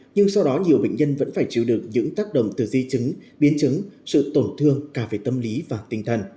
nhưng sau đó nhiều bệnh nhân vẫn phải chịu được những tác động từ di chứng biến chứng sự tổn thương cả về tâm lý và tinh thần